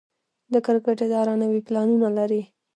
د کرکټ اداره نوي پلانونه لري.